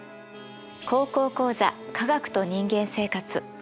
「高校講座科学と人間生活」